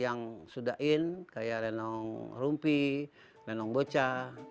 yang sudah in kayak lenong rumpi lenong bocah